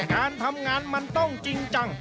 การทำงานมันต้องจริงจัง